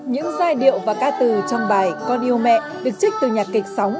những giai điệu và ca từ trong bài con yêu mẹ được trích từ nhạc kịch sáu